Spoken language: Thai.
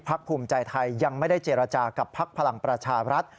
ภูมิใจไทยยังไม่ได้เจรจากับพักพลังประชารัฐ